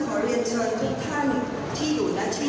ขอความกำลังยืนนะคะทุกท่านอยู่ในความสงบหนึ่งนาที